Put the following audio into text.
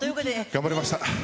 頑張りました。